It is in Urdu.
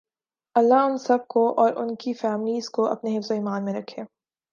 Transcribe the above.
لله ان سب کو اور انکی فیملیز کو اپنے حفظ و امان میں رکھے